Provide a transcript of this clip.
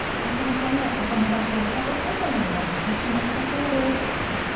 そのためお友達とお出かけするというのもやめてしまったそうです。